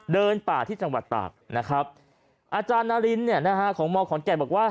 เดินป่าที่จังหวัดตากอาจารย์นารินของมของแก่บอกว่า